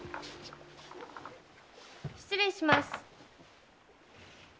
失礼します。